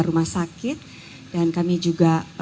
rumah sakit dan kami juga